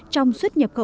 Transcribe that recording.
trong xuất nhập các dự án